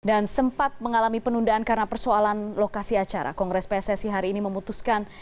dan sempat mengalami penundaan karena persoalan lokasi acara kongres pssi hari ini memutuskan